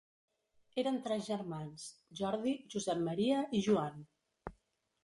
Eren tres germans, Jordi, Josep Maria i Joan.